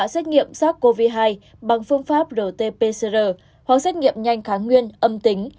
xét nghiệm sars cov hai bằng phương pháp rt pcr hoặc xét nghiệm nhanh kháng nguyên âm tính